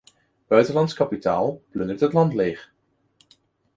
Buitenlands kapitaal plundert het land leeg.